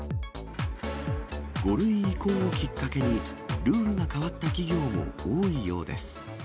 ５類移行をきっかけに、ルールが変わった企業も多いようです。